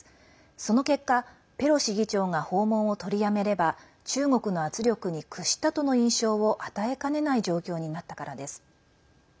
その結果ペロシ議長が訪問を取りやめれば中国の圧力に屈したとの印象を与えかねない状況になったからです。